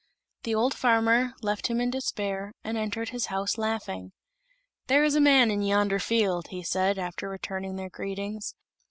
The old farmer left him in despair, and entered his house laughing. "There is a man in yonder field," he said, after returning their greetings.